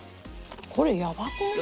これやばくない？